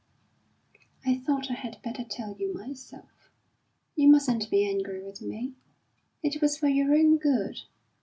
"I thought I had better tell you myself. You mustn't be angry with me. It was for your own good.